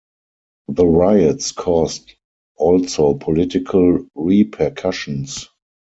The riots caused also political repercussions.